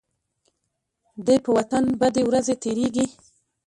د په وطن بدې ورځې تيريږي.